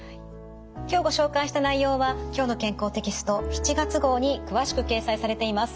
今日ご紹介した内容は「きょうの健康」テキスト７月号に詳しく掲載されています。